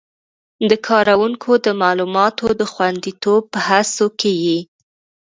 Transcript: د کاروونکو د معلوماتو د خوندیتوب په هڅو کې یې